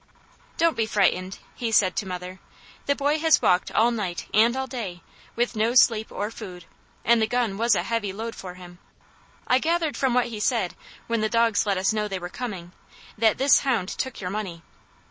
"Don't be frightened," he said to mother. "The boy has walked all night, and all day, with no sleep or food, and the gun was a heavy load for him. I gathered from what he said, when the dogs let us know they were coming, that this hound took your money.